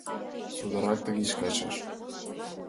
Содоррак тышеч кайышаш!..